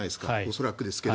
恐らくですが。